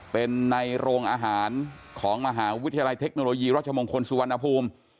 เป็นในโรงอาหารของมหาวิทยาลัยเทคโนโลยีรัชมงคลสุวรรณภูมิ